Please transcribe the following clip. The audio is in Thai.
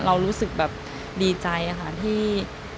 รู้สึกแบบดีใจค่ะที่